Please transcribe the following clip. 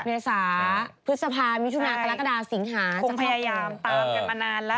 เมษาพฤษภาพมิวทุนาศ์ตลาดกระดาษสิงหาจังหวัดมือคงพยายามตามกันมานานแล้ว